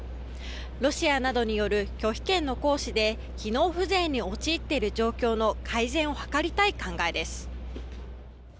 ロシアなどによる拒否権の行使で機能不全に陥っている状況の改善を図りたい考えです。